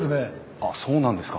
あっそうなんですか？